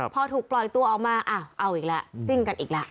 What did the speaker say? พอถูกปล่อยตัวออกมาอ้าวเอาอีกแล้วซิ่งกันอีกแล้ว